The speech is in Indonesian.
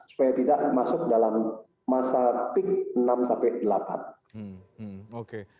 supaya tidak masuk dalam masa peak enam sampai delapan